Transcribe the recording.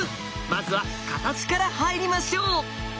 まずは形から入りましょう。